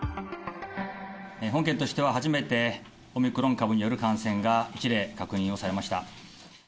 本県としては初めて、オミクロン株による感染が１例、確認をされました。